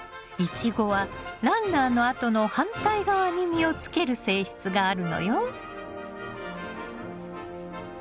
イチゴはランナーの跡の反対側に実をつける性質があるのよ。